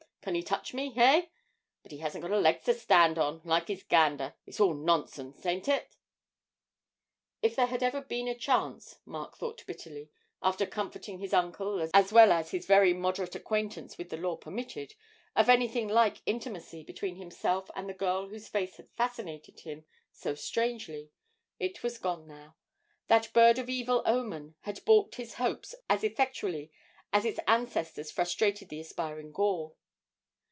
Can he touch me, eh? But he hasn't got a leg to stand on, like his gander it's all nonsense, ain't it?' If there had ever been a chance, Mark thought bitterly, after comforting his uncle as well as his very moderate acquaintance with the law permitted, of anything like intimacy between himself and the girl whose face had fascinated him so strangely, it was gone now: that bird of evil omen had baulked his hopes as effectually as its ancestors frustrated the aspiring Gaul.